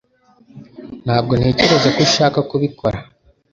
Ntabwo ntekereza ko ushaka kubikora